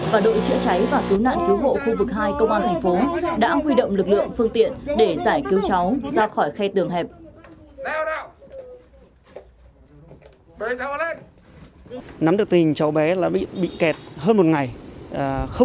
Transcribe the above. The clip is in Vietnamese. và đội chữa cháy và cứu nạn cứu hộ khu vực hai công an thành phố